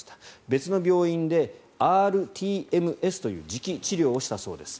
別の病院でｒＴＭＳという磁気治療をしたそうです。